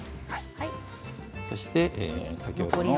そして先ほどの。